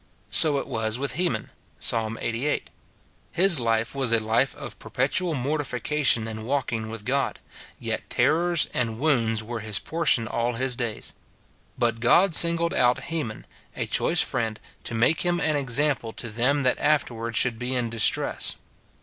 So it was with Heman, Psa. Ixxxviii. ; his life was a life of perpetual mortification and walking with God, yet terrors and wounds were his portion all his days. But God singled out Heman, a choice friend, to make him an example to them that afterward should be in distress.